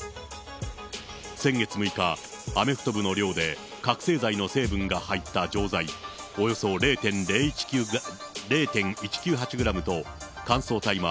先月６日、アメフト部の寮で覚醒剤の成分が入った錠剤、およそ０．０１９８グラムと、乾燥大麻